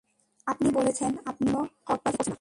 আপনি বলেছেন, আপনি কোনো ঠগবাজি করছেন না।